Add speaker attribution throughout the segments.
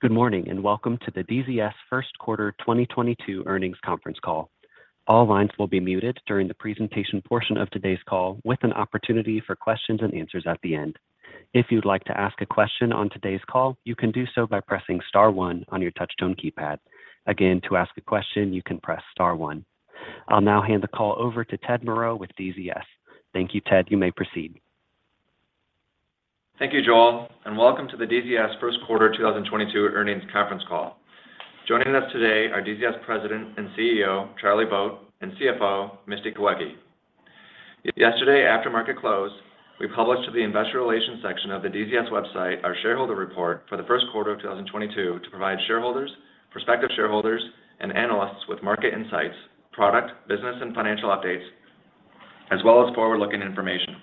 Speaker 1: Good morning, and welcome to the DZS first quarter 2022 earnings conference call. All lines will be muted during the presentation portion of today's call with an opportunity for questions and answers at the end. If you'd like to ask a question on today's call, you can do so by pressing star one on your touchtone keypad. Again, to ask a question, you can press star one. I'll now hand the call over to Ted Moreau with DZS. Thank you, Ted. You may proceed.
Speaker 2: Thank you, Joel, and welcome to the DZS first quarter 2022 earnings conference call. Joining us today are DZS President and CEO, Charlie Vogt, and CFO, Misty Kawecki. Yesterday, after market close, we published to the investor relations section of the DZS website our shareholder report for the first quarter of 2022 to provide shareholders, prospective shareholders, and analysts with market insights, product, business, and financial updates, as well as forward-looking information.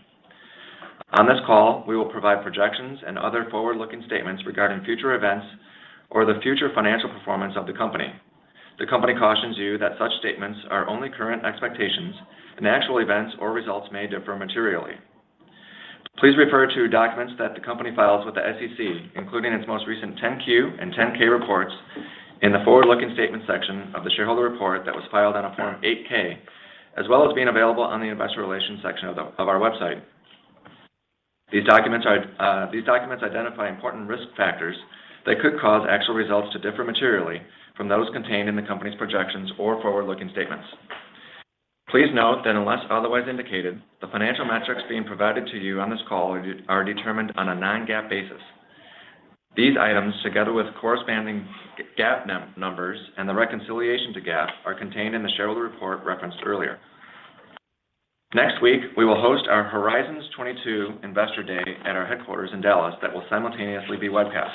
Speaker 2: On this call, we will provide projections and other forward-looking statements regarding future events or the future financial performance of the company. The company cautions you that such statements are only current expectations, and actual events or results may differ materially. Please refer to documents that the company files with the SEC, including its most recent 10-Q and 10-K reports in the forward-looking statement section of the shareholder report that was filed on a Form 8-K, as well as being available on the investor relations section of our website. These documents identify important risk factors that could cause actual results to differ materially from those contained in the company's projections or forward-looking statements. Please note that unless otherwise indicated, the financial metrics being provided to you on this call are determined on a non-GAAP basis. These items, together with corresponding GAAP numbers and the reconciliation to GAAP, are contained in the shareholder report referenced earlier. Next week, we will host our Horizons22 Investor Day at our headquarters in Dallas that will simultaneously be webcast.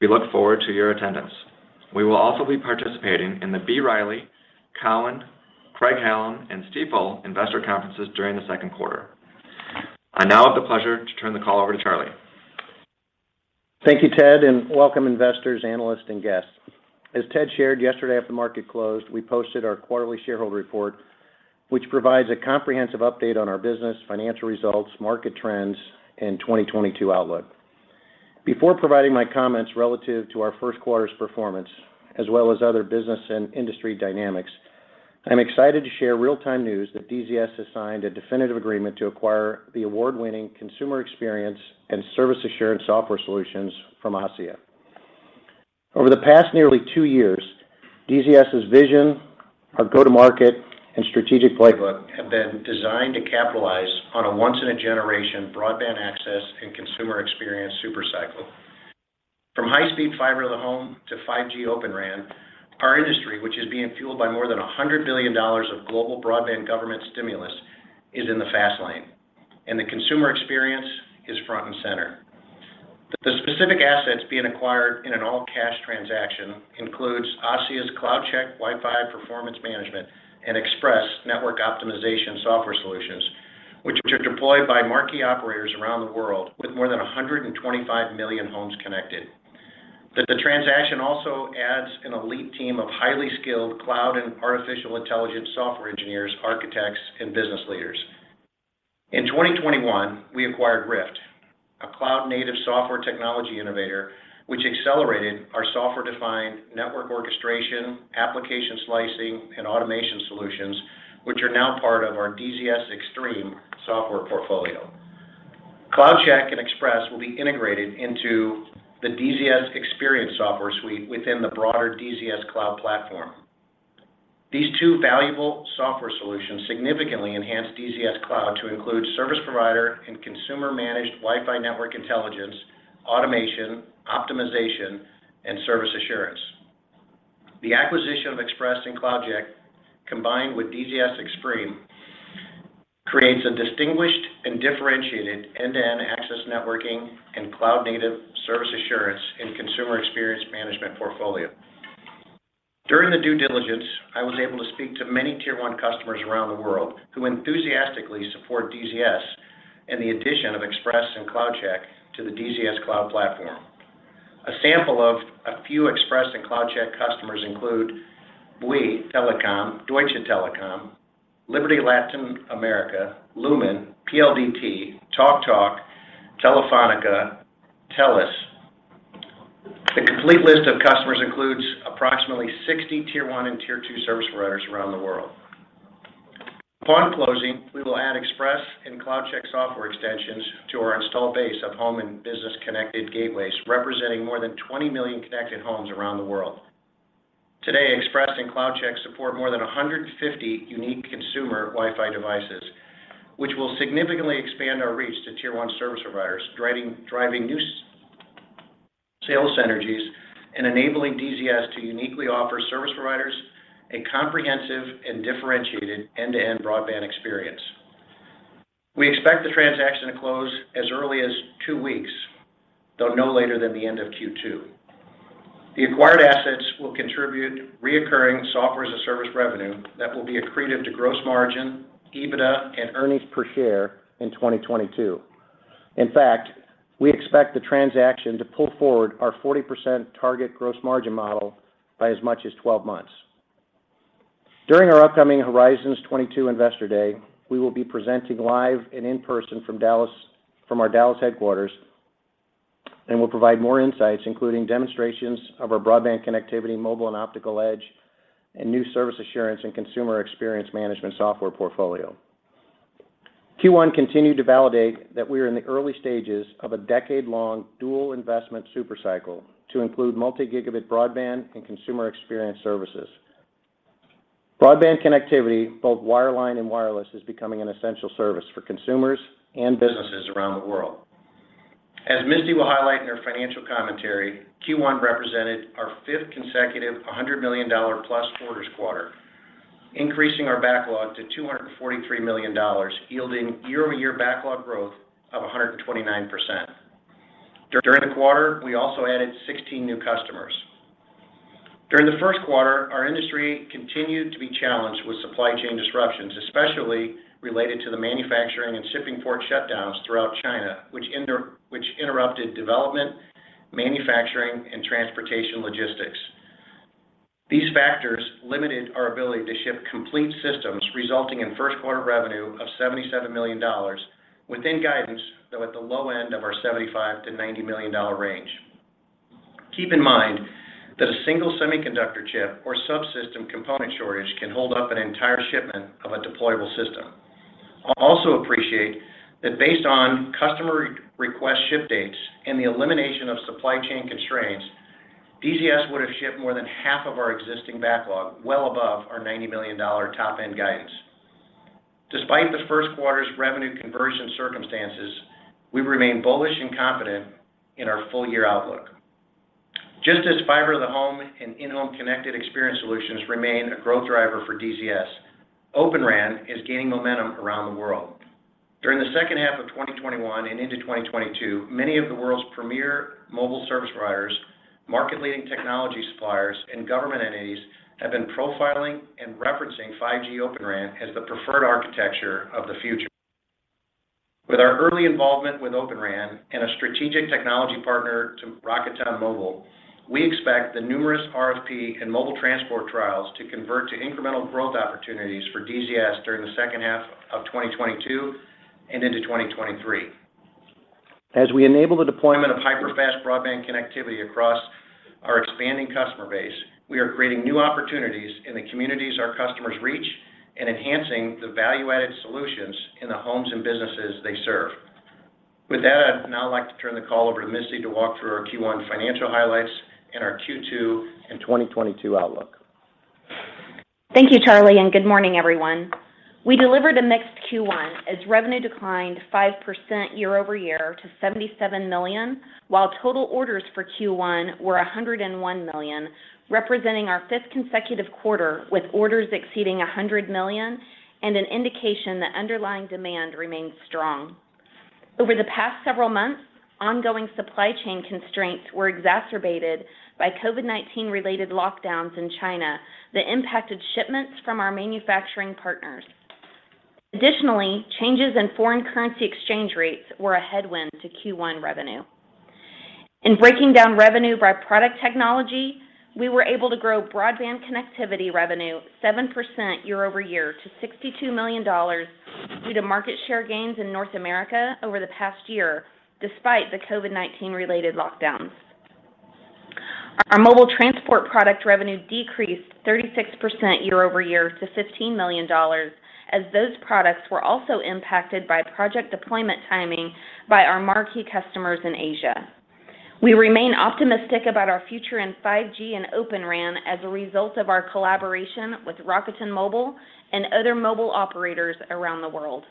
Speaker 2: We look forward to your attendance. We will also be participating in the B. Riley, Cowen, Craig-Hallum, and Stifel investor conferences during the second quarter. I now have the pleasure to turn the call over to Charlie.
Speaker 3: Thank you, Ted, and welcome investors, analysts, and guests. As Ted shared yesterday after the market closed, we posted our quarterly shareholder report, which provides a comprehensive update on our business, financial results, market trends, and 2022 outlook. Before providing my comments relative to our first quarter's performance, as well as other business and industry dynamics, I'm excited to share real-time news that DZS has signed a definitive agreement to acquire the award-winning consumer experience and service assurance software solutions from ASSIA. Over the past nearly two years, DZS's vision of go-to-market and strategic playbook have been designed to capitalize on a once-in-a-generation broadband access and consumer experience super cycle. From high-speed Fiber to the Home to 5G Open RAN, our industry, which is being fueled by more than $100 billion of global broadband government stimulus, is in the fast lane, and the consumer experience is front and center. The specific assets being acquired in an all-cash transaction includes ASSIA's CloudCheck Wi-Fi performance management and Expresse network optimization software solutions, which are deployed by marquee operators around the world with more than 125 million homes connected. The transaction also adds an elite team of highly skilled cloud and artificial intelligence software engineers, architects, and business leaders. In 2021, we acquired RIFT, a cloud-native software technology innovator, which accelerated our software-defined network orchestration, application slicing, and automation solutions, which are now part of our DZS Xtreme software portfolio. CloudCheck and Expresse will be integrated into the DZS Xperience software suite within the broader DZS Cloud platform. These two valuable software solutions significantly enhance DZS Cloud to include service provider and consumer-managed Wi-Fi network intelligence, automation, optimization, and service assurance. The acquisition of Expresse and CloudCheck, combined with DZS Xtreme, creates a distinguished and differentiated end-to-end access networking and cloud-native service assurance and consumer experience management portfolio. During the due diligence, I was able to speak to many tier one customers around the world who enthusiastically support DZS in the addition of Expresse and CloudCheck to the DZS Cloud platform. A sample of a few Expresse and CloudCheck customers include Bouygues Telecom, Deutsche Telekom, Liberty Latin America, Lumen, PLDT, TalkTalk, Telefónica, Telus. The complete list of customers includes approximately 60 tier one and tier two service providers around the world. Upon closing, we will add Expresse and CloudCheck software extensions to our installed base of home and business connected gateways, representing more than 20 million connected homes around the world. Today, Expresse and CloudCheck support more than 150 unique consumer Wi-Fi devices, which will significantly expand our reach to tier one service providers driving new sales synergies and enabling DZS to uniquely offer service providers a comprehensive and differentiated end-to-end broadband experience. We expect the transaction to close as early as two weeks, though no later than the end of Q2. The acquired assets will contribute recurring software and service revenue that will be accretive to gross margin, EBITDA, and earnings per share in 2022. In fact, we expect the transaction to pull forward our 40% target gross margin model by as much as 12 months. During our upcoming Horizons22 Investor Day, we will be presenting live and in person from Dallas, from our Dallas headquarters, and we'll provide more insights, including demonstrations of our broadband connectivity, mobile and optical edge, and new service assurance and consumer experience management software portfolio. Q1 continued to validate that we are in the early stages of a decade-long dual investment super cycle to include multi-gigabit broadband and consumer experience services. Broadband connectivity, both wireline and wireless, is becoming an essential service for consumers and businesses around the world. As Misty will highlight in her financial commentary, Q1 represented our fifth consecutive $100 million+ orders quarter, increasing our backlog to $243 million, yielding year-over-year backlog growth of 129%. During the quarter, we also added 16 new customers. During the first quarter, our industry continued to be challenged with supply chain disruptions, especially related to the manufacturing and shipping port shutdowns throughout China, which interrupted development, manufacturing, and transportation logistics. These factors limited our ability to ship complete systems, resulting in first quarter revenue of $77 million within guidance, though at the low end of our $75-$90 million range. Keep in mind that a single semiconductor chip or subsystem component shortage can hold up an entire shipment of a deployable system. Also appreciate that based on customer re-request ship dates and the elimination of supply chain constraints, DZS would have shipped more than half of our existing backlog, well above our $90 million top-end guidance. Despite the first quarter's revenue conversion circumstances, we remain bullish and confident in our full year outlook. Just as Fiber to the Home and in-home connected experience solutions remain a growth driver for DZS, Open RAN is gaining momentum around the world. During the second half of 2021 and into 2022, many of the world's premier mobile service providers, market-leading technology suppliers, and government entities have been profiling and referencing 5G Open RAN as the preferred architecture of the future. With our early involvement with Open RAN and a strategic technology partner to Rakuten Mobile, we expect the numerous RFP and mobile transport trials to convert to incremental growth opportunities for DZS during the second half of 2022 and into 2023. As we enable the deployment of hyper-fast broadband connectivity across our expanding customer base, we are creating new opportunities in the communities our customers reach and enhancing the value-added solutions in the homes and businesses they serve. With that, I'd now like to turn the call over to Misty to walk through our Q1 financial highlights and our Q2 and 2022 outlook.
Speaker 4: Thank you, Charlie, and good morning, everyone. We delivered a mixed Q1 as revenue declined 5% year-over-year to $77 million, while total orders for Q1 were $101 million, representing our fifth consecutive quarter with orders exceeding $100 million and an indication that underlying demand remains strong. Over the past several months, ongoing supply chain constraints were exacerbated by COVID-19 related lockdowns in China that impacted shipments from our manufacturing partners. Additionally, changes in foreign currency exchange rates were a headwind to Q1 revenue. In breaking down revenue by product technology, we were able to grow broadband connectivity revenue 7% year-over-year to $62 million due to market share gains in North America over the past year, despite the COVID-19 related lockdowns. Our mobile transport product revenue decreased 36% year-over-year to $15 million, as those products were also impacted by project deployment timing by our marquee customers in Asia. We remain optimistic about our future in 5G and Open RAN as a result of our collaboration with Rakuten Mobile and other mobile operators around the world.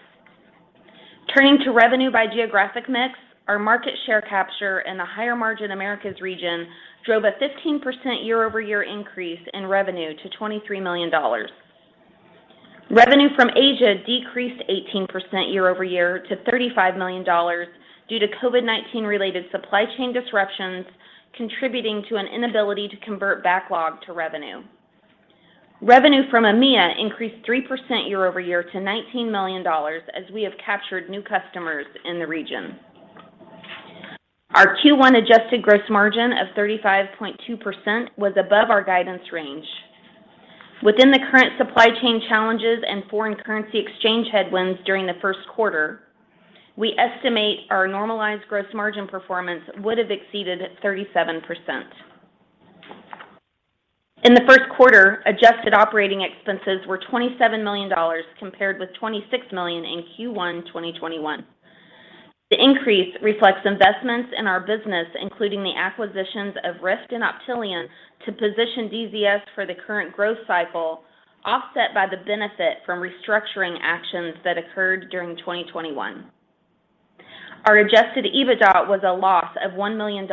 Speaker 4: Turning to revenue by geographic mix, our market share capture in the higher margin Americas region drove a 15% year-over-year increase in revenue to $23 million. Revenue from Asia decreased 18% year-over-year to $35 million due to COVID-19 related supply chain disruptions, contributing to an inability to convert backlog to revenue. Revenue from EMEA increased 3% year-over-year to $19 million, as we have captured new customers in the region. Our Q1 adjusted gross margin of 35.2% was above our guidance range. Within the current supply chain challenges and foreign currency exchange headwinds during the first quarter, we estimate our normalized gross margin performance would have exceeded at 37%. In the first quarter, adjusted operating expenses were $27 million compared with $26 million in Q1 2021. The increase reflects investments in our business, including the acquisitions of RIFT and Optelian, to position DZS for the current growth cycle, offset by the benefit from restructuring actions that occurred during 2021. Our adjusted EBITDA was a loss of $1 million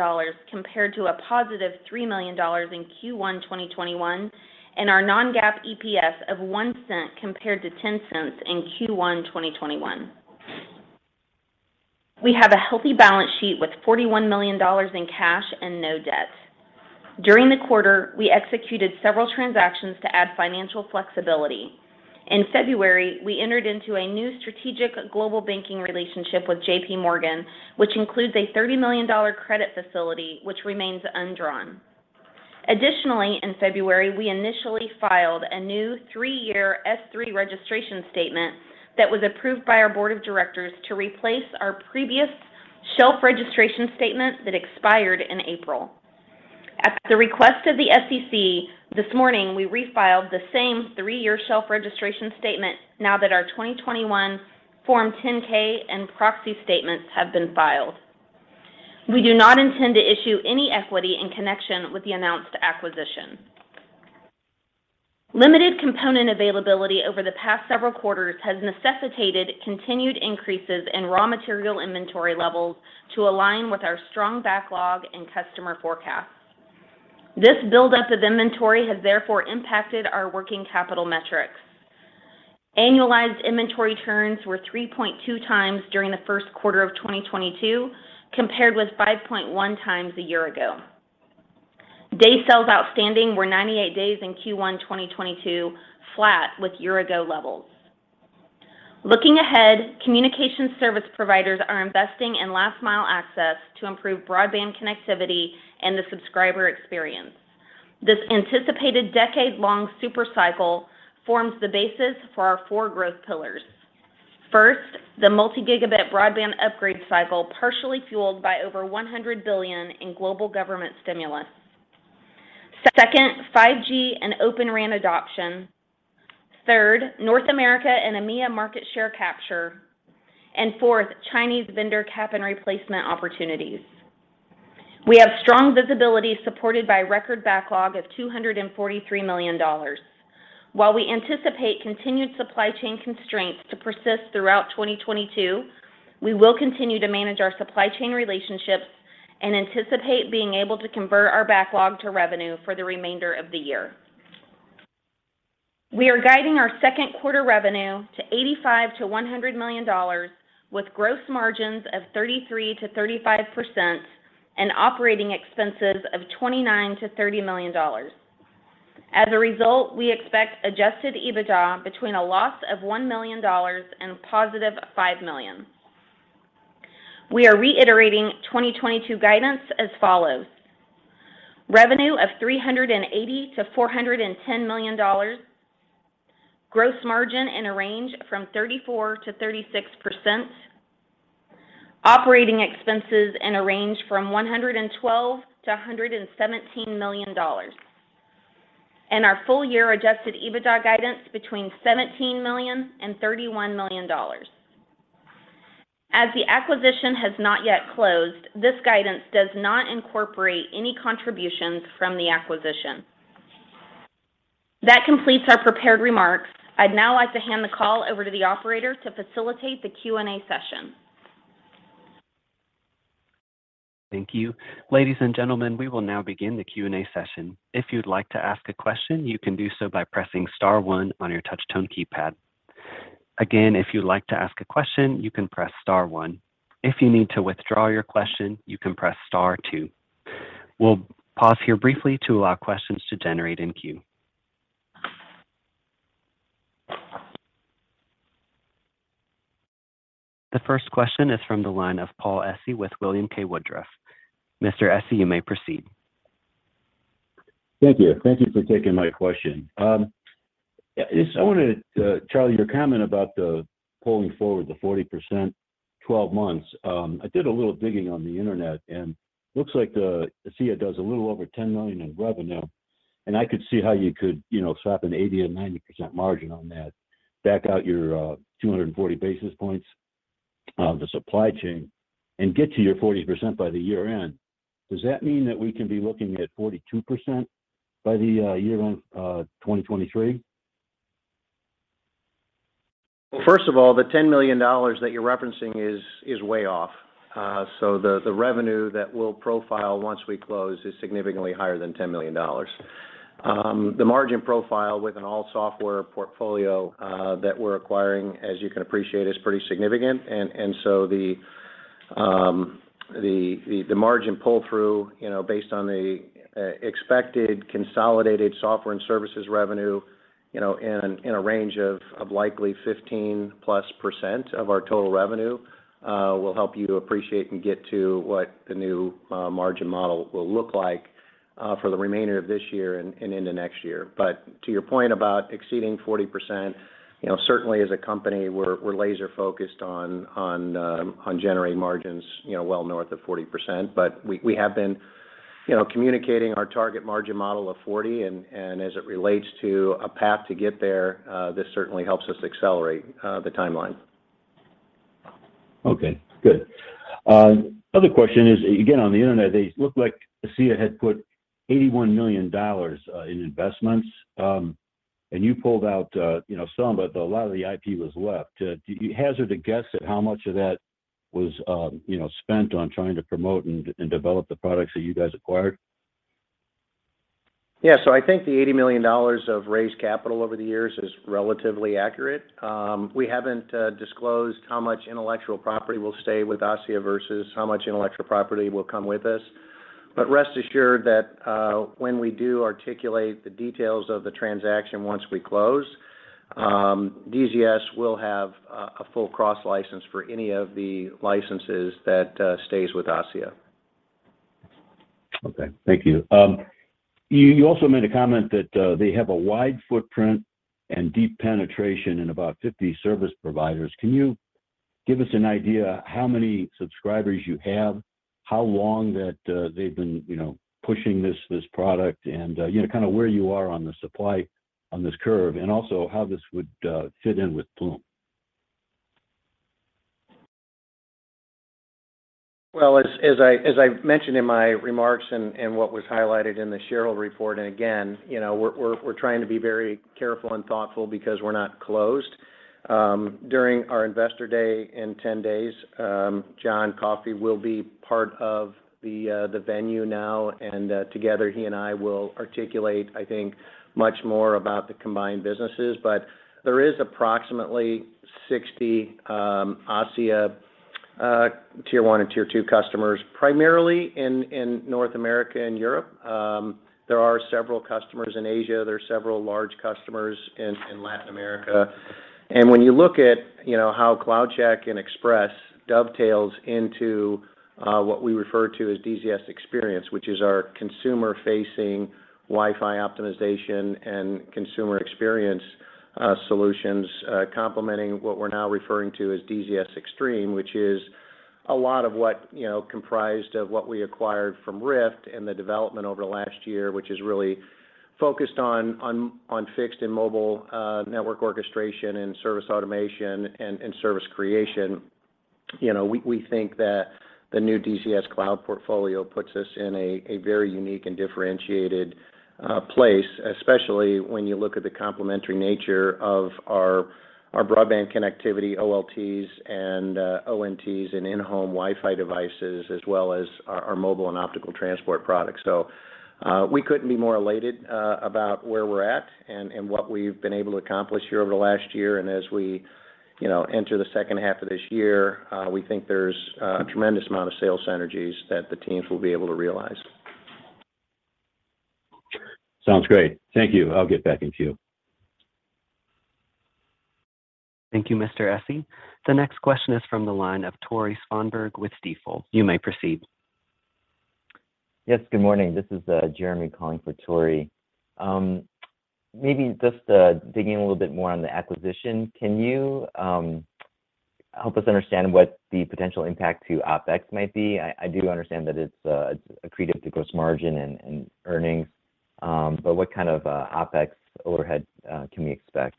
Speaker 4: compared to a positive $3 million in Q1 2021, and our non-GAAP EPS of $0.01 compared to $0.10 in Q1 2021. We have a healthy balance sheet with $41 million in cash and no debt. During the quarter, we executed several transactions to add financial flexibility. In February, we entered into a new strategic global banking relationship with JPMorgan, which includes a $30 million credit facility, which remains undrawn. Additionally, in February, we initially filed a new three-year Form S-3 registration statement that was approved by our board of directors to replace our previous shelf registration statement that expired in April. At the request of the SEC this morning, we refiled the same three-year shelf registration statement now that our 2021 Form 10-K and proxy statements have been filed. We do not intend to issue any equity in connection with the announced acquisition. Limited component availability over the past several quarters has necessitated continued increases in raw material inventory levels to align with our strong backlog and customer forecasts. This buildup of inventory has therefore impacted our working capital metrics. Annualized inventory turns were 3.2x during the first quarter of 2022, compared with 5.1 times a year ago. Day sales outstanding were 98 days in Q1 2022, flat with year-ago levels. Looking ahead, communication service providers are investing in last mile access to improve broadband connectivity and the subscriber experience. This anticipated decade-long super cycle forms the basis for our four growth pillars. First, the multi-gigabit broadband upgrade cycle partially fueled by over $100 billion in global government stimulus. Second, 5G and Open RAN adoption. Third, North America and EMEA market share capture. Fourth, Chinese vendor CAPEX replacement opportunities. We have strong visibility supported by record backlog of $243 million. While we anticipate continued supply chain constraints to persist throughout 2022, we will continue to manage our supply chain relationships and anticipate being able to convert our backlog to revenue for the remainder of the year. We are guiding our second quarter revenue to $85 million-$100 million, with gross margins of 33%-35% and operating expenses of $29 million-$30 million. As a result, we expect adjusted EBITDA between a loss of $1 million and $5 million. We are reiterating 2022 guidance as follows. Revenue of $380 million-$410 million. Gross margin in a range from 34%-36%. Operating expenses in a range from $112 million-$117 million. Our full year adjusted EBITDA guidance between $17 million and $31 million. As the acquisition has not yet closed, this guidance does not incorporate any contributions from the acquisition. That completes our prepared remarks. I'd now like to hand the call over to the operator to facilitate the Q&A session.
Speaker 1: Thank you. Ladies and gentlemen, we will now begin the Q&A session. If you'd like to ask a question, you can do so by pressing star one on your touch-tone keypad. Again, if you'd like to ask a question, you can press star one. If you need to withdraw your question, you can press star two. We'll pause here briefly to allow questions to generate in queue. The first question is from the line of Paul SC with William K. Woodruff. Mr. SC, you may proceed.
Speaker 5: Thank you. Thank you for taking my question. Just, I wanted to, Charlie, your comment about the pulling forward the 40% twelve months. I did a little digging on the Internet, and looks like the ASSIA does a little over $10 million in revenue, and I could see how you could, you know, slap an 80% or 90% margin on that, back out your 240 basis points of the supply chain and get to your 40% by the year-end. Does that mean that we can be looking at 42% by the year-end 2023?
Speaker 3: First of all, the $10 million that you're referencing is way off. So the revenue that we'll profile once we close is significantly higher than $10 million. The margin profile with an all software portfolio that we're acquiring, as you can appreciate, is pretty significant. So the margin pull-through, you know, based on the expected consolidated software and services revenue, you know, in a range of likely 15%+ of our total revenue, will help you to appreciate and get to what the new margin model will look like for the remainder of this year and into next year. To your point about exceeding 40%, you know, certainly as a company, we're laser-focused on generating margins, you know, well north of 40%. We have been, you know, communicating our target margin model of 40% and as it relates to a path to get there, the timeline. This certainly helps us accelerate the timeline.
Speaker 5: Okay, good. Other question is, again, on the internet, it looked like ASSIA had put $81 million in investments, and you pulled out some, but a lot of the IP was left. Do you hazard a guess at how much of that was spent on trying to promote and develop the products that you guys acquired?
Speaker 3: Yeah. I think the $80 million of raised capital over the years is relatively accurate. We haven't disclosed how much intellectual property will stay with ASSIA versus how much intellectual property will come with us. Rest assured that, when we do articulate the details of the transaction once we close, DZS will have a full cross license for any of the licenses that stays with ASSIA.
Speaker 5: Okay, thank you. You also made a comment that they have a wide footprint and deep penetration in about 50 service providers. Can you give us an idea how many subscribers you have, how long that they've been, you know, pushing this product, and you know kind of where you are on the S-curve, and also how this would fit in with Plume?
Speaker 3: Well, as I mentioned in my remarks and what was highlighted in the shareholder report, and again, you know, we're trying to be very careful and thoughtful because we're not closed. During our investor day in 10 days, John Coffey will be part of the venue now, and together he and I will articulate, I think, much more about the combined businesses. There is approximately 60 ASSIA tier one and tier two customers, primarily in North America and Europe. There are several customers in Asia. There are several large customers in Latin America. When you look at, you know, how CloudCheck and Expresse dovetails into what we refer to as DZS Xperience, which is our consumer-facing Wi-Fi optimization and consumer experience solutions, complementing what we're now referring to as DZS Xtreme, which is a lot of what, you know, comprised of what we acquired from RIFT and the development over the last year, which is really focused on fixed and mobile network orchestration and service automation and service creation. You know, we think that the new DZS Cloud portfolio puts us in a very unique and differentiated place, especially when you look at the complementary nature of our broadband connectivity OLTs and ONTs and in-home Wi-Fi devices, as well as our mobile and optical transport products. We couldn't be more elated about where we're at and what we've been able to accomplish here over the last year. As we, you know, enter the second half of this year, we think there's a tremendous amount of sales synergies that the teams will be able to realize.
Speaker 5: Sounds great. Thank you. I'll get back to you.
Speaker 1: Thank you, Mr. Silverstein. The next question is from the line of Tore Svanberg with Stifel. You may proceed.
Speaker 2: Yes, good morning. This is Jeremy calling for Tore. Maybe just digging a little bit more on the acquisition, can you help us understand what the potential impact to OpEx might be? I do understand that it's accretive to gross margin and earnings, but what kind of OpEx overhead can we expect?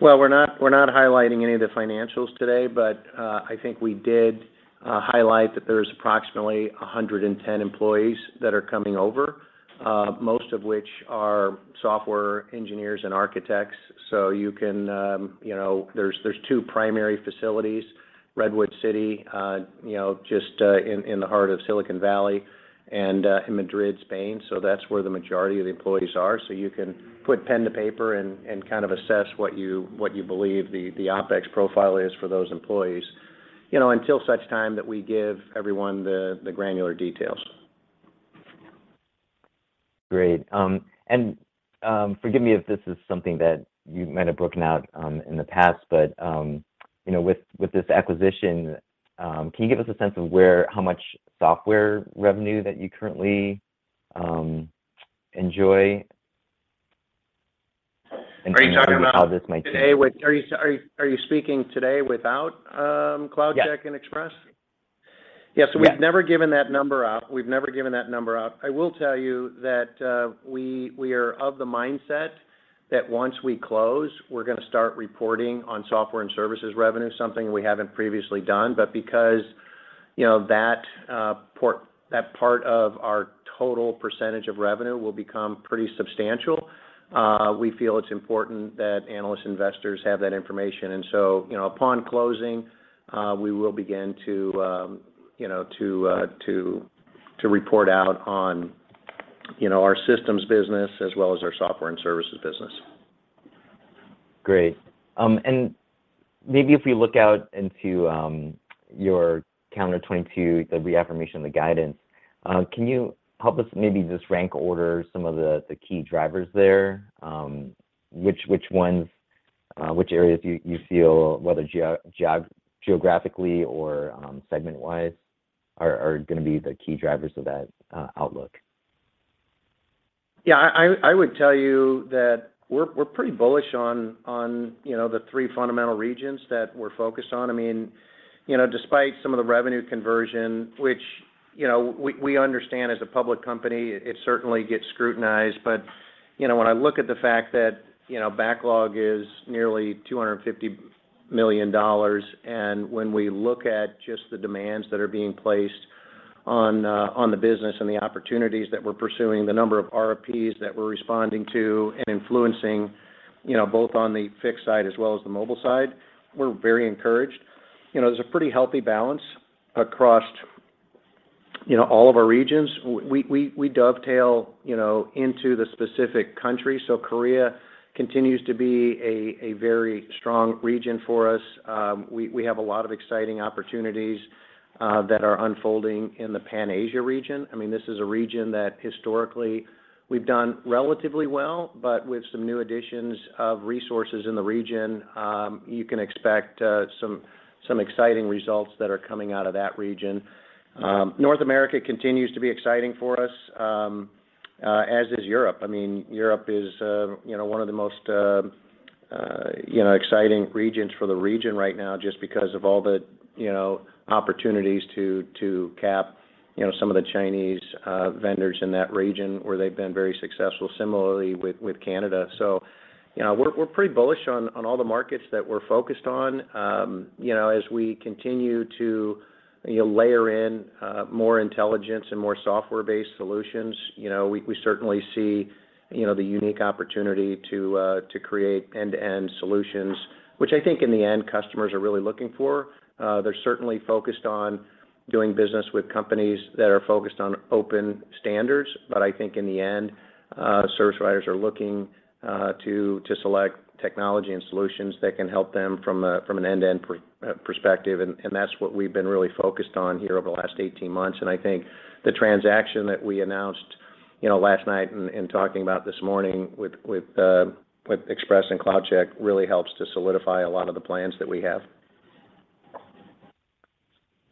Speaker 3: Well, we're not highlighting any of the financials today, but I think we did highlight that there's approximately 110 employees that are coming over, most of which are software engineers and architects. You can, you know, there's two primary facilities, Redwood City just in the heart of Silicon Valley and in Madrid, Spain. That's where the majority of the employees are. You can put pen to paper and kind of assess what you believe the OpEx profile is for those employees, you know, until such time that we give everyone the granular details.
Speaker 2: Great. Forgive me if this is something that you might have broken out in the past, but you know, with this acquisition, can you give us a sense of how much software revenue that you currently enjoy? Kind of how this might change.
Speaker 3: Are you speaking today without CloudCheck and Expresse?
Speaker 2: Yes. Yes.
Speaker 3: Yeah. We've never given that number out. I will tell you that, we are of the mindset that once we close, we're gonna start reporting on software and services revenue, something we haven't previously done. Because, you know, that part of our total percentage of revenue will become pretty substantial, we feel it's important that analyst investors have that information. You know, upon closing, we will begin to, you know, to report out on, you know, our systems business as well as our software and services business.
Speaker 2: Great. Maybe if we look out into your calendar 2022, the reaffirmation of the guidance, can you help us maybe just rank order some of the key drivers there? Which ones, which areas you feel, whether geographically or segment-wise are gonna be the key drivers of that outlook?
Speaker 3: Yeah. I would tell you that we're pretty bullish on, you know, the three fundamental regions that we're focused on. I mean, you know, despite some of the revenue conversion, which, you know, we understand as a public company, it certainly gets scrutinized. You know, when I look at the fact that, you know, backlog is nearly $250 million, and when we look at just the demands that are being placed on the business and the opportunities that we're pursuing, the number of RFPs that we're responding to and influencing, you know, both on the fixed side as well as the mobile side, we're very encouraged. You know, there's a pretty healthy balance across all of our regions. We dovetail, you know, into the specific countries. Korea continues to be a very strong region for us. We have a lot of exciting opportunities that are unfolding in the Pan Asia region. I mean, this is a region that historically we've done relatively well, but with some new additions of resources in the region, you can expect some exciting results that are coming out of that region. North America continues to be exciting for us, as is Europe. I mean, Europe is you know one of the most you know exciting regions for the region right now just because of all the you know opportunities to cap you know some of the Chinese vendors in that region where they've been very successful similarly with Canada. You know, we're pretty bullish on all the markets that we're focused on. You know, as we continue to you know, layer in more intelligence and more software-based solutions, you know, we certainly see you know, the unique opportunity to create end-to-end solutions, which I think in the end, customers are really looking for. They're certainly focused on doing business with companies that are focused on open standards. I think in the end, service providers are looking to select technology and solutions that can help them from an end-to-end perspective and that's what we've been really focused on here over the last 18 months. I think the transaction that we announced, you know, last night and talking about this morning with Expresse and CloudCheck really helps to solidify a lot of the plans that we have.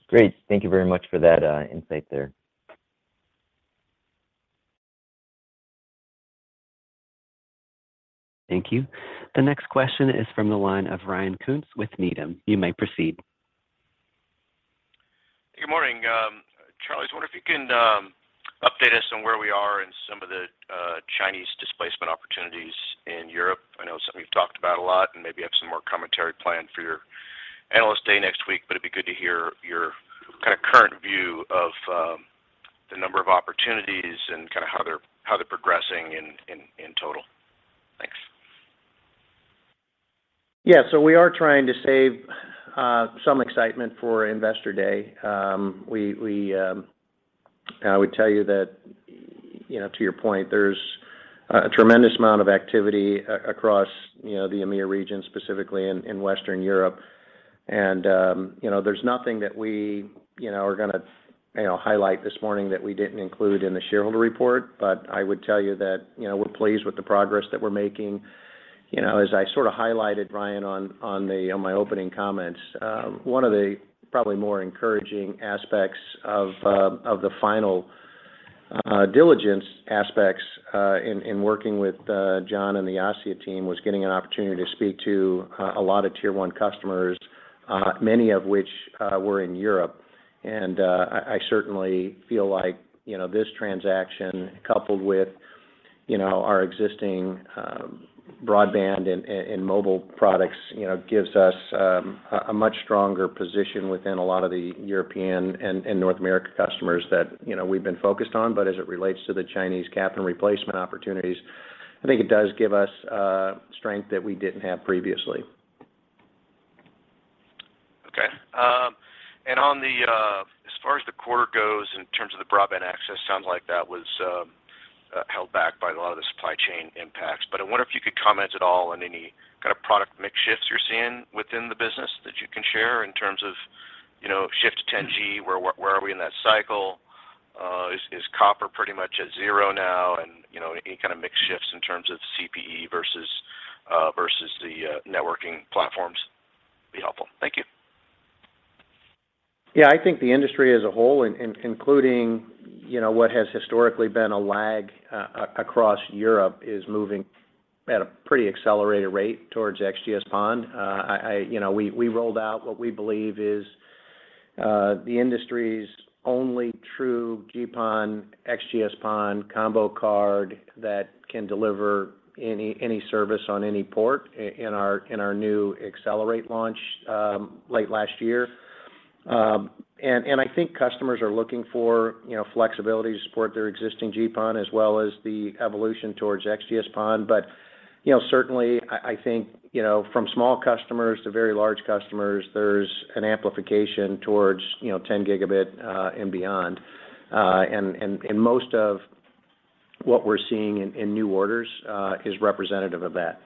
Speaker 2: Great. Thank you very much for that, insight there.
Speaker 1: Thank you. The next question is from the line of Ryan Koontz with Needham. You may proceed.
Speaker 6: Good morning. Charlie, I was wondering if you can update us on where we are in some of the Chinese displacement opportunities in Europe. I know it's something you've talked about a lot and maybe have some more commentary planned for your analyst day next week, but it'd be good to hear your kind of current view of the number of opportunities and kind of how they're progressing in total. Thanks.
Speaker 3: Yeah. We are trying to save some excitement for Investor Day. I would tell you that, you know, to your point, there's a tremendous amount of activity across, you know, the EMEA region, specifically in Western Europe. There's nothing that we, you know, are gonna, you know, highlight this morning that we didn't include in the shareholder report. I would tell you that, you know, we're pleased with the progress that we're making. You know, as I sort of highlighted, Ryan, on my opening comments, one of the probably more encouraging aspects of the final diligence aspects in working with John and the ASSIA team was getting an opportunity to speak to a lot of Tier One customers, many of which were in Europe. I certainly feel like, you know, this transaction coupled with, you know, our existing broadband and mobile products, you know, gives us a much stronger position within a lot of the European and North America customers that, you know, we've been focused on. As it relates to the Chinese CAPEX and replacement opportunities, I think it does give us strength that we didn't have previously.
Speaker 6: Okay. On the, as far as the quarter goes in terms of the broadband access, sounds like that was held back by a lot of the supply chain impacts. I wonder if you could comment at all on any kind of product mix shifts you're seeing within the business that you can share in terms of, you know, shift to 10G, where are we in that cycle? Is copper pretty much at zero now? You know, any kind of mix shifts in terms of CPE versus the networking platforms would be helpful. Thank you.
Speaker 3: Yeah. I think the industry as a whole, including, you know, what has historically been a lag across Europe, is moving at a pretty accelerated rate towards XGS-PON. I think, you know, we rolled out what we believe is the industry's only true GPON/XGS-PON combo card that can deliver any service on any port in our new XCelerate launch, late last year. I think customers are looking for, you know, flexibility to support their existing GPON as well as the evolution towards XGS-PON. You know, certainly I think, you know, from small customers to very large customers, there's an amplification towards, you know, 10 gigabit and beyond. Most of what we're seeing in new orders is representative of that.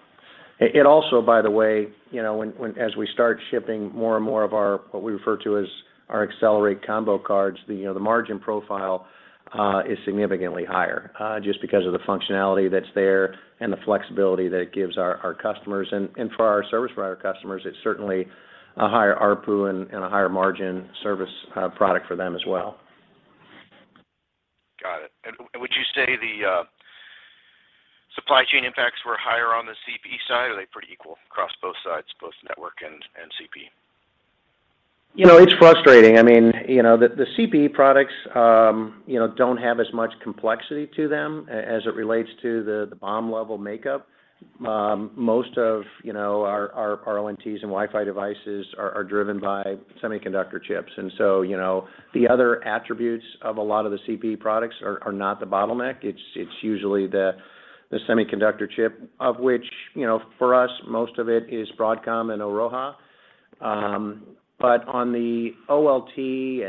Speaker 3: It also, by the way, you know, as we start shipping more and more of our what we refer to as our XCelerate combo cards, you know, the margin profile is significantly higher just because of the functionality that's there and the flexibility that it gives our customers. And for our service provider customers, it's certainly a higher ARPU and a higher margin service product for them as well.
Speaker 6: Got it. Would you say the supply chain impacts were higher on the CPE side, or are they pretty equal across both sides, both network and CPE?
Speaker 3: You know, it's frustrating. I mean, you know, the CPE products, you know, don't have as much complexity to them as it relates to the BOM level makeup. Most of, you know, our ONTs and Wi-Fi devices are driven by semiconductor chips. You know, the other attributes of a lot of the CPE products are not the bottleneck. It's usually the semiconductor chip, of which, you know, for us, most of it is Broadcom and Airoha. On the OLT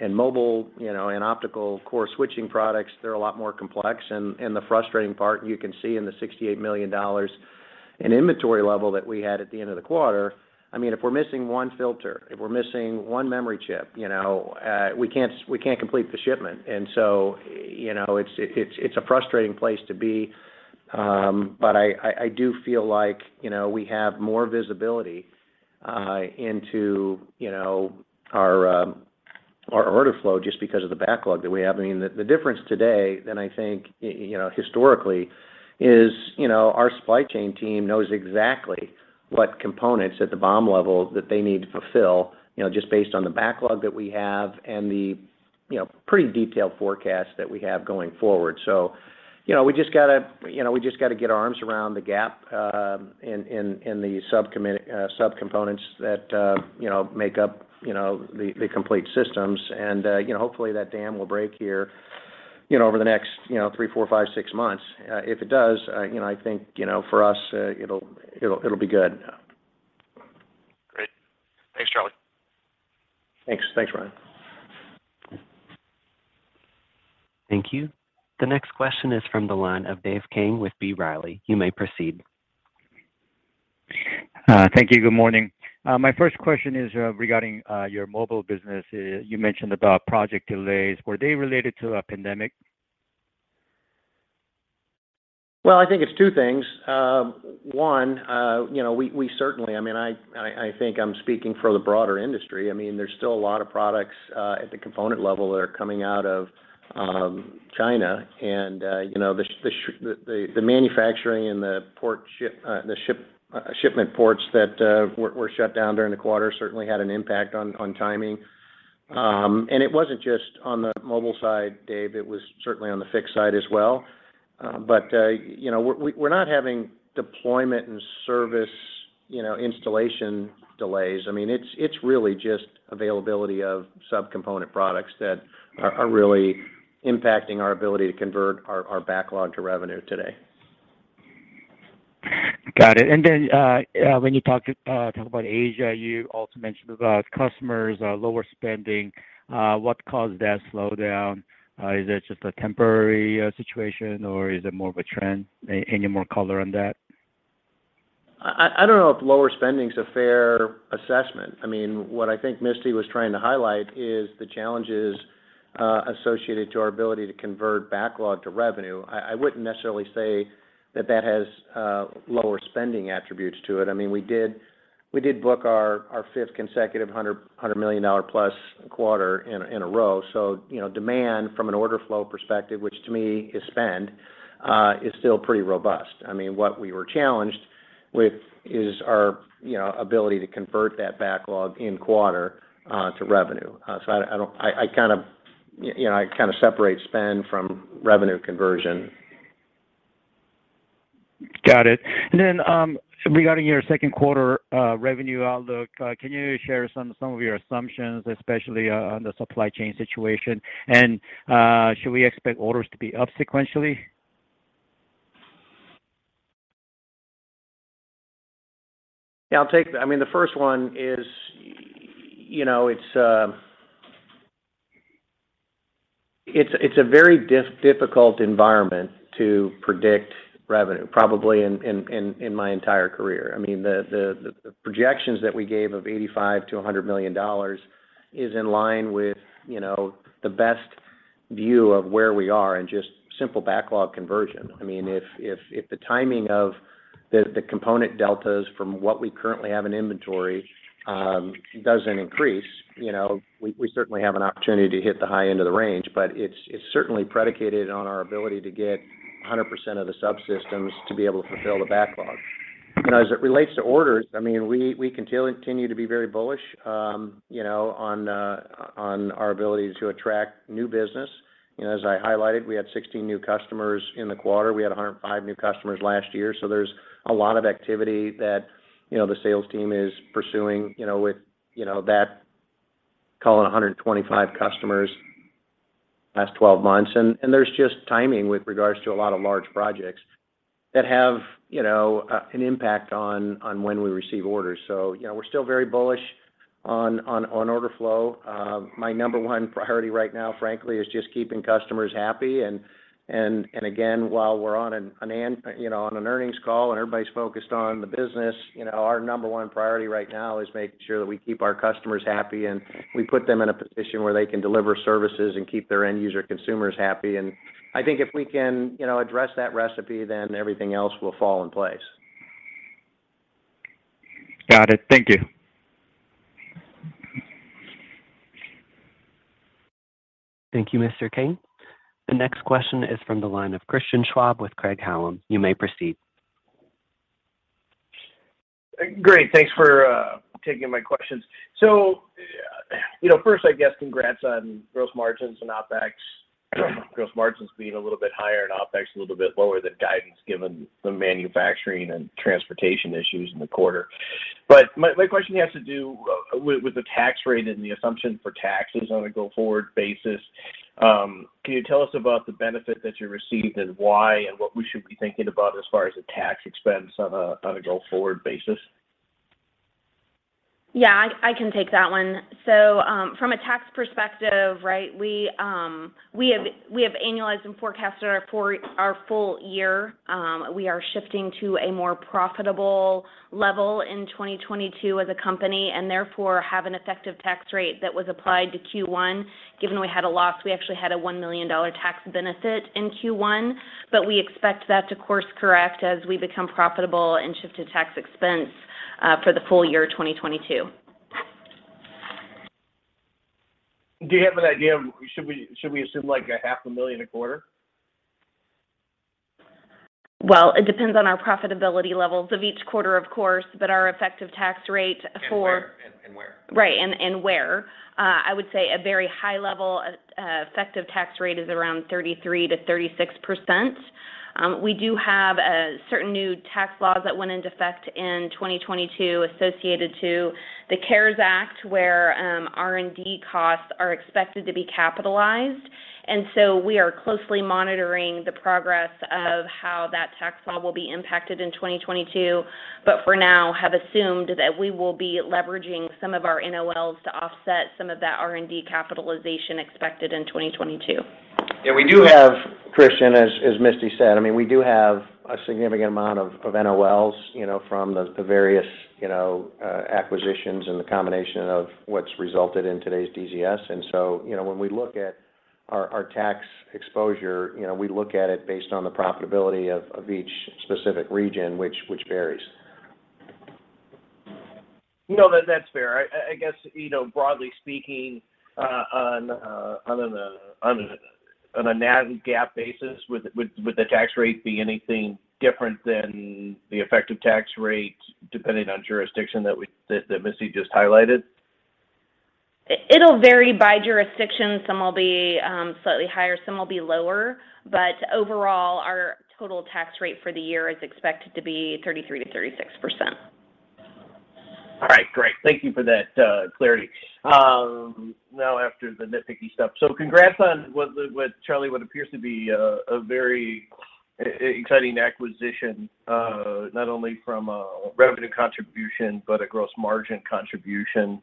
Speaker 3: and mobile, you know, and optical core switching products, they're a lot more complex. The frustrating part, you can see in the $68 million in inventory level that we had at the end of the quarter. I mean, if we're missing one filter, if we're missing one memory chip, you know, we can't complete the shipment. You know, it's a frustrating place to be. But I do feel like, you know, we have more visibility into our order flow just because of the backlog that we have. I mean, the difference today than I think you know, historically is, you know, our supply chain team knows exactly what components at the BOM level that they need to fulfill, you know, just based on the backlog that we have and you know, pretty detailed forecast that we have going forward. You know, we just got to get our arms around the gap in the subcomponents that you know make up the complete systems. You know, hopefully that dam will break here you know over the next thee, four, five, six months. If it does, you know, I think, you know, for us, it'll be good.
Speaker 6: Great. Thanks, Charlie.
Speaker 3: Thanks. Thanks, Ryan.
Speaker 1: Thank you. The next question is from the line of Dave Kang with B. Riley. You may proceed.
Speaker 7: Thank you. Good morning. My first question is regarding your mobile business. You mentioned about project delays. Were they related to a pandemic?
Speaker 3: Well, I think it's two things. One, you know, we certainly, I mean, I think I'm speaking for the broader industry. I mean, there's still a lot of products at the component level that are coming out of China and, you know, the manufacturing and the shipping ports that were shut down during the quarter certainly had an impact on timing. It wasn't just on the mobile side, Dave, it was certainly on the fixed side as well. You know, we're not having deployment and service, you know, installation delays. I mean, it's really just availability of subcomponent products that are really impacting our ability to convert our backlog to revenue today.
Speaker 7: Got it. When you talk about Asia, you also mentioned about customers are lower spending. What caused that slowdown? Is it just a temporary situation, or is it more of a trend? Any more color on that?
Speaker 3: I don't know if lower spending's a fair assessment. I mean, what I think Misty was trying to highlight is the challenges associated to our ability to convert backlog to revenue. I wouldn't necessarily say that has lower spending attributed to it. I mean, we did book our fifth consecutive $100 million-plus quarter in a row. You know, demand from an order flow perspective, which to me is spend, is still pretty robust. I mean, what we were challenged with is our ability to convert that backlog in quarter to revenue. I kind of, you know, separate spend from revenue conversion.
Speaker 7: Got it. Then, regarding your second quarter revenue outlook, can you share some of your assumptions, especially on the supply chain situation? Should we expect orders to be up sequentially?
Speaker 3: Yeah, I'll take. I mean, the first one is, you know, it's a very difficult environment to predict revenue probably in my entire career. I mean, the projections that we gave of $85 million-$100 million is in line with, you know, the best view of where we are and just simple backlog conversion. I mean, if the timing of the component deltas from what we currently have in inventory doesn't increase, you know, we certainly have an opportunity to hit the high end of the range. But it's certainly predicated on our ability to get 100% of the subsystems to be able to fulfill the backlog. You know, as it relates to orders, I mean, we continue to be very bullish, you know, on our ability to attract new business. You know, as I highlighted, we had 16 new customers in the quarter. We had 105 new customers last year. So there's a lot of activity that, you know, the sales team is pursuing, you know, with, you know, that call it 125 customers the last 12 months. There's just timing with regards to a lot of large projects that have, you know, an impact on when we receive orders. So, you know, we're still very bullish on order flow. My number one priority right now, frankly, is just keeping customers happy. While we're on an earnings call and everybody's focused on the business, you know, our number one priority right now is making sure that we keep our customers happy and we put them in a position where they can deliver services and keep their end user consumers happy. I think if we can, you know, address that recipe, then everything else will fall in place.
Speaker 7: Got it. Thank you.
Speaker 1: Thank you, Mr. Kang. The next question is from the line of Christian Schwab with Craig-Hallum. You may proceed.
Speaker 8: Great. Thanks for taking my questions. You know, first, I guess, congrats on gross margins and OpEx. Gross margins being a little bit higher and OpEx a little bit lower than guidance given the manufacturing and transportation issues in the quarter. My question has to do with the tax rate and the assumption for taxes on a go-forward basis. Can you tell us about the benefit that you received and why, and what we should be thinking about as far as the tax expense on a go-forward basis?
Speaker 4: Yeah, I can take that one. From a tax perspective, right, we have annualized and forecasted our full year. We are shifting to a more profitable level in 2022 as a company, and therefore have an effective tax rate that was applied to Q1. Given we had a loss, we actually had a $1 million tax benefit in Q1, but we expect that to course correct as we become profitable and shift to tax expense for the full year 2022.
Speaker 8: Do you have an idea or should we assume, like, $ half a million a quarter?
Speaker 4: Well, it depends on our profitability levels of each quarter, of course, but our effective tax rate.
Speaker 8: Where?
Speaker 4: I would say a very high level effective tax rate is around 33%-36%. We do have certain new tax laws that went into effect in 2022 associated to the CARES Act, where R&D costs are expected to be capitalized. We are closely monitoring the progress of how that tax law will be impacted in 2022, but for now have assumed that we will be leveraging some of our NOLs to offset some of that R&D capitalization expected in 2022.
Speaker 3: Yeah, we do have, Christian, as Misty said, I mean, we do have a significant amount of NOLs, you know, from the various, you know, acquisitions and the combination of what's resulted in today's DZS. You know, when we look at our tax exposure, you know, we look at it based on the profitability of each specific region, which varies.
Speaker 8: No, that's fair. I guess, you know, broadly speaking, on a non-GAAP basis, would the tax rate be anything different than the effective tax rate depending on jurisdiction that Misty just highlighted?
Speaker 4: It'll vary by jurisdiction. Some will be slightly higher, some will be lower. Overall, our total tax rate for the year is expected to be 33%-36%.
Speaker 8: All right, great. Thank you for that, clarity. Now after the nitpicky stuff. Congrats on what, Charlie, what appears to be a very exciting acquisition, not only from a revenue contribution, but a gross margin contribution.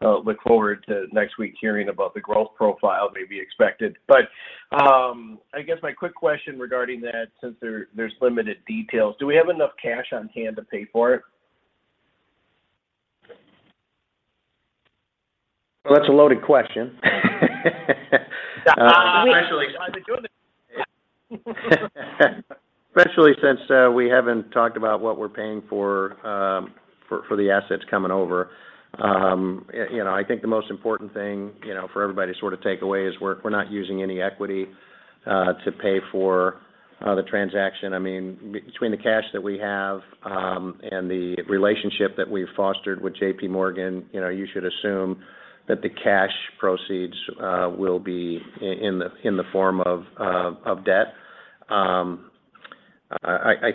Speaker 8: Look forward to next week hearing about the growth profile may be expected. I guess my quick question regarding that, since there's limited details, do we have enough cash on hand to pay for it?
Speaker 3: Well, that's a loaded question.
Speaker 4: We-
Speaker 8: Glad you joined us.
Speaker 3: Especially since we haven't talked about what we're paying for the assets coming over. You know, I think the most important thing, you know, for everybody to sort of take away is we're not using any equity to pay for the transaction. I mean, between the cash that we have and the relationship that we've fostered with JPMorgan, you know, you should assume that the cash proceeds will be in the form of debt. I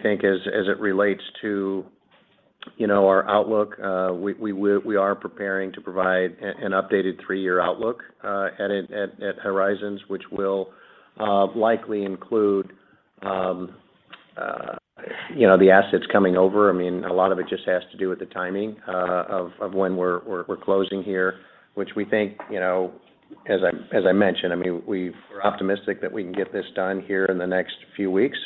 Speaker 3: think as it relates to our outlook, we are preparing to provide an updated three-year outlook at Horizons, which will likely include the assets coming over. I mean, a lot of it just has to do with the timing of when we're closing here, which we think, you know, as I mentioned, I mean, we're optimistic that we can get this done here in the next few weeks.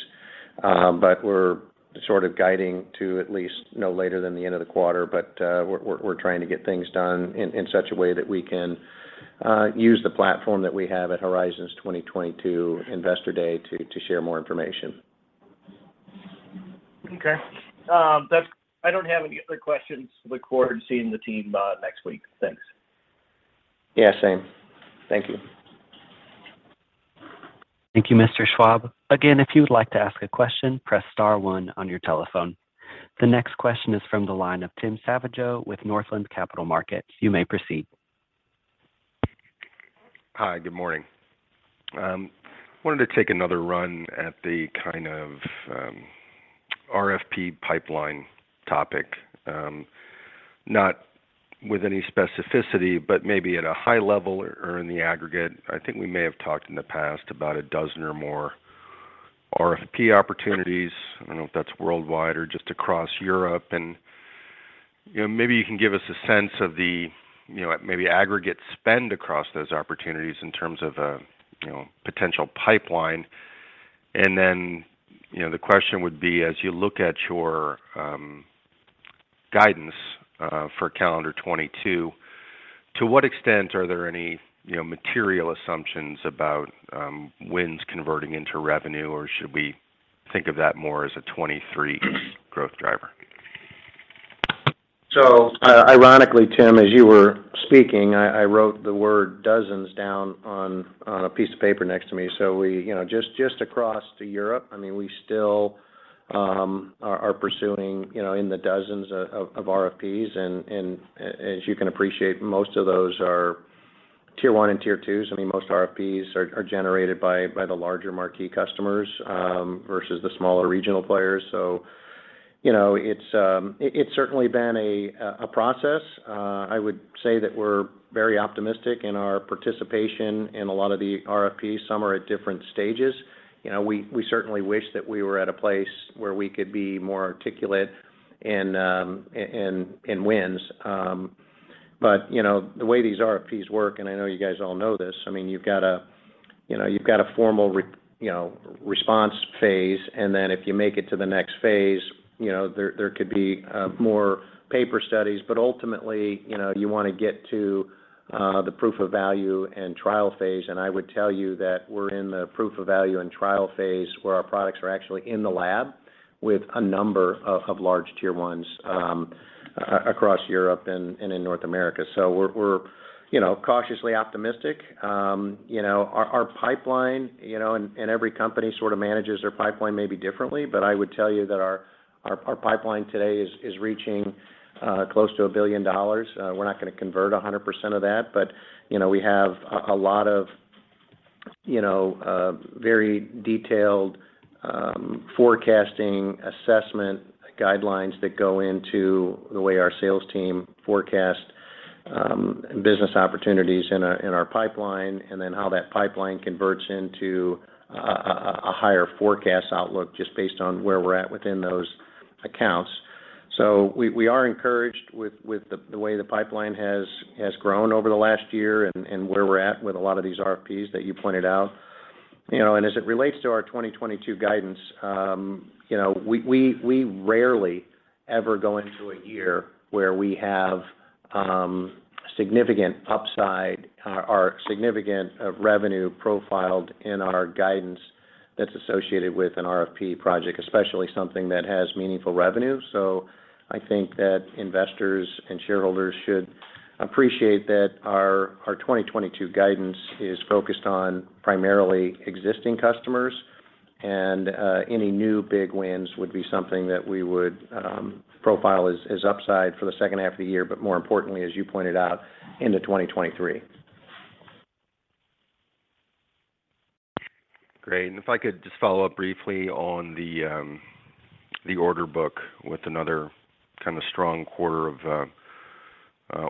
Speaker 3: We're sort of guiding to at least no later than the end of the quarter. We're trying to get things done in such a way that we can use the platform that we have at Horizons22 Investor Day to share more information.
Speaker 8: Okay. I don't have any other questions. Look forward to seeing the team next week. Thanks.
Speaker 3: Yeah, same. Thank you.
Speaker 1: Thank you, Mr. Schwab. Again, if you would like to ask a question, press star one on your telephone. The next question is from the line of Tim Savageaux with Northland Capital Markets. You may proceed.
Speaker 9: Hi, good morning. Wanted to take another run at the kind of RFP pipeline topic, not with any specificity, but maybe at a high level or in the aggregate. I think we may have talked in the past about a dozen or more RFP opportunities. I don't know if that's worldwide or just across Europe. You know, maybe you can give us a sense of the, you know, maybe aggregate spend across those opportunities in terms of a, you know, potential pipeline. Then, you know, the question would be. As you look at your guidance for calendar 2022, to what extent are there any, you know, material assumptions about wins converting into revenue, or should we think of that more as a 2023 growth driver?
Speaker 3: Ironically, Tim, as you were speaking, I wrote the word dozens down on a piece of paper next to me. We, you know, just across to Europe, I mean, we still are pursuing, you know, in the dozens of RFPs. As you can appreciate, most of those are tier one and tier twos. I mean, most RFPs are generated by the larger marquee customers versus the smaller regional players. You know, it's certainly been a process. I would say that we're very optimistic in our participation in a lot of the RFPs. Some are at different stages. You know, we certainly wish that we were at a place where we could be more articulate in wins. You know, the way these RFPs work, and I know you guys all know this, I mean, you've got a formal response phase, and then if you make it to the next phase, you know, there could be more paper studies. Ultimately, you know, you wanna get to the proof of value and trial phase. I would tell you that we're in the proof of value and trial phase, where our products are actually in the lab with a number of large tier ones across Europe and in North America. We're, you know, cautiously optimistic. You know, our pipeline, you know, and every company sort of manages their pipeline maybe differently, but I would tell you that our pipeline today is reaching close to $1 billion. We're not gonna convert 100% of that. You know, we have a lot of very detailed forecasting assessment guidelines that go into the way our sales team forecast business opportunities in our pipeline, and then how that pipeline converts into a higher forecast outlook just based on where we're at within those accounts. We are encouraged with the way the pipeline has grown over the last year and where we're at with a lot of these RFPs that you pointed out. You know, as it relates to our 2022 guidance, you know, we rarely ever go into a year where we have significant upside, or significant revenue profiled in our guidance that's associated with an RFP project, especially something that has meaningful revenue. I think that investors and shareholders should appreciate that our 2022 guidance is focused on primarily existing customers, and any new big wins would be something that we would profile as upside for the second half of the year. More importantly, as you pointed out, into 2023.
Speaker 9: Great. If I could just follow up briefly on the order book with another kind of strong quarter of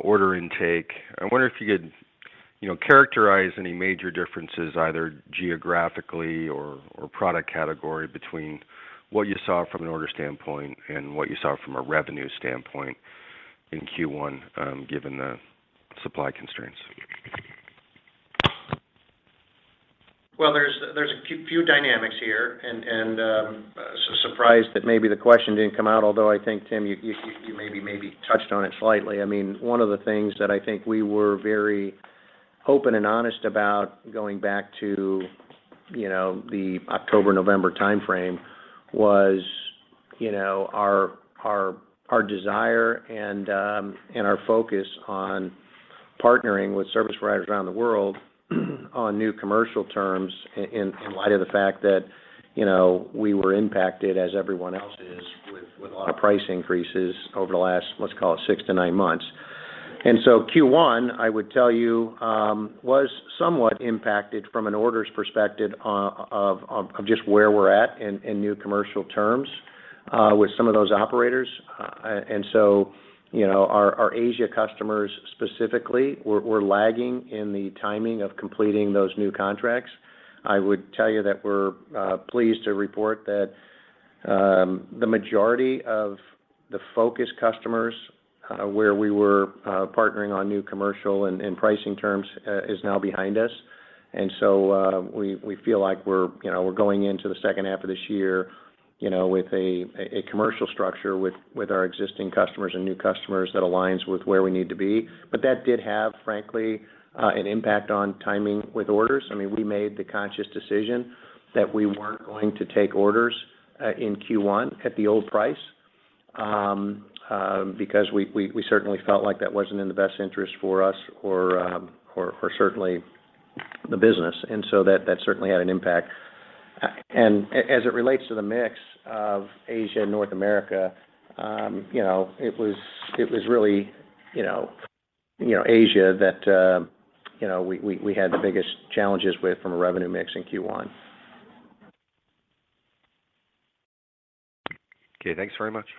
Speaker 9: order intake. I wonder if you could, you know, characterize any major differences, either geographically or product category, between what you saw from an order standpoint and what you saw from a revenue standpoint in Q1, given the supply constraints.
Speaker 3: Well, there's a few dynamics here and surprised that maybe the question didn't come out, although I think, Tim, you maybe touched on it slightly. I mean, one of the things that I think we were very open and honest about, going back to, you know, the October-November timeframe was, you know, our desire and our focus on partnering with service providers around the world on new commercial terms in light of the fact that, you know, we were impacted, as everyone else is, with a lot of price increases over the last, let's call it 6-9 months. Q1, I would tell you, was somewhat impacted from an orders perspective of just where we're at in new commercial terms with some of those operators. You know, our Asia customers specifically were lagging in the timing of completing those new contracts. I would tell you that we're pleased to report that the majority of the focus customers where we were partnering on new commercial and pricing terms is now behind us. We feel like we're, you know, we're going into the second half of this year, you know, with a commercial structure with our existing customers and new customers that aligns with where we need to be. That did have, frankly, an impact on timing with orders. I mean, we made the conscious decision that we weren't going to take orders in Q1 at the old price, because we certainly felt like that wasn't in the best interest for us or certainly the business. That certainly had an impact. As it relates to the mix of Asia and North America, you know, it was really, you know, Asia that you know we had the biggest challenges with from a revenue mix in Q1.
Speaker 9: Okay. Thanks very much.